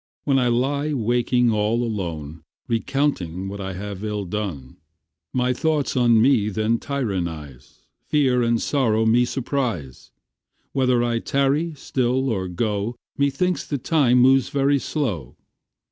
When I lie waking all alone, Recounting what I have ill done, My thoughts on me then tyrannise, Fear and sorrow me surprise, Whether I tarry still or go, Methinks the time moves very slow.